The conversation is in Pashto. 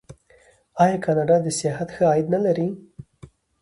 آیا کاناډا د سیاحت ښه عاید نلري؟